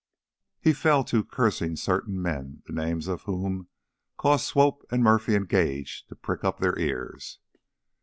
He fell to cursing certain men, the names of whom caused Swope and Murphy and Gage to prick up their ears.